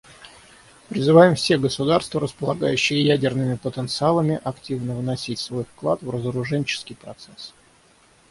Призываем все государства, располагающие ядерными потенциалами, активно вносить свой вклад в разоруженческий процесс.